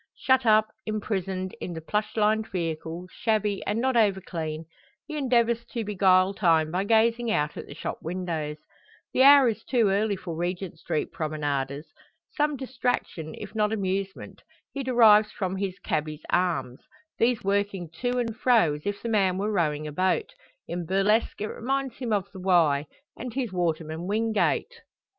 Shut up, imprisoned, in the plush lined vehicle, shabby, and not over clean, he endeavours to beguile time by gazing out at the shop windows. The hour is too early for Regent Street promenaders. Some distraction, if not amusement, he derives from his "cabby's" arms; these working to and fro as if the man were rowing a boat. In burlesque it reminds him of the Wye, and his waterman Wingate!